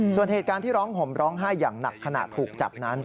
ส่วนเหตุการณ์ที่ร้องห่มร้องไห้อย่างหนักขณะถูกจับนั้น